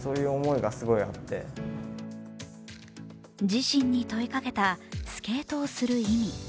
自身に問いかけたスケートをする意味。